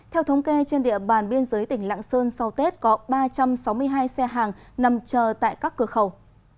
theo thống kê trên địa bàn biên giới tỉnh lạng sơn sau tết có ba trăm sáu mươi hai xe hàng nằm chờ tại các cửa khẩu